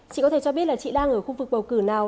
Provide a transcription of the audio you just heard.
chị có thể cho biết là chị đang ở khu vực bầu cử nào